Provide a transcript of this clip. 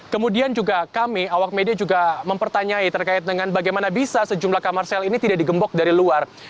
kemudian juga kami awak media juga mempertanyai terkait dengan bagaimana bisa sejumlah kamar sel ini tidak digembok dari luar